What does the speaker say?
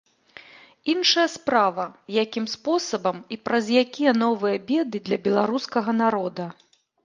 Іншая справа, якім спосабам і праз якія новыя беды для беларускага народа.